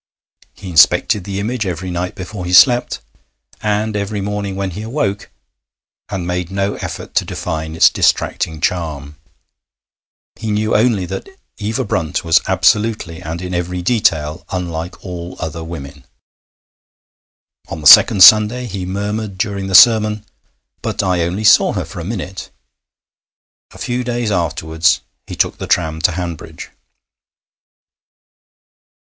He inspected the image every night before he slept, and every morning when he awoke, and made no effort to define its distracting charm; he knew only that Eva Brunt was absolutely and in every detail unlike all other women. On the second Sunday he murmured during the sermon: 'But I only saw her for a minute.' A few days afterwards he took the tram to Hanbridge.